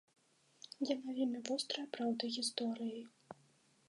Яна вельмі вострая, праўда гісторыі.